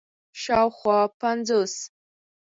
شاوخوا پنځوس